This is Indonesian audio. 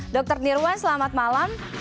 dr nirwan selamat malam